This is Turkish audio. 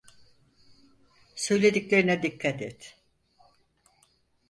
Söylediklerine dikkat et!